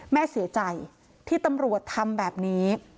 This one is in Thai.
แม่เสียใจที่ตำรวจทำแบบนี้